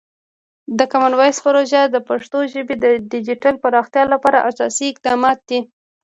د کامن وایس پروژه د پښتو ژبې د ډیجیټل پراختیا لپاره اساسي اقدام دی.